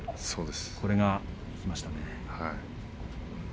これが効きましたね。